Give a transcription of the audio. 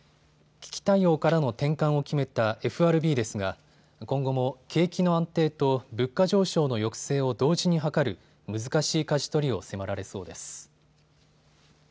危機対応からの転換を決めたＦＲＢですが今後も景気の安定と物価上昇の抑制を同時に図る難しいかじ取りを迫られそうです。